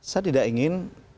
saya tidak ingin